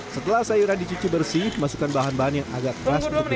setelah sayuran dicucu bersih masukkan bahan bahan yang agak keras untuk dimasak terlebih dahulu